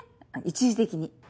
一時的に。